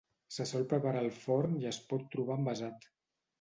Se sol preparar al forn i es pot trobar envasat.